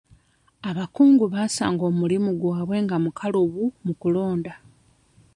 Abakungu baasanga omulimu gwabwe nga mukalubu mu kulonda.